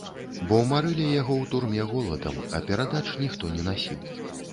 Бо марылі яго ў турме голадам, а перадач ніхто не насіў.